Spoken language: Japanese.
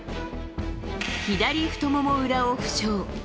左太もも裏を負傷。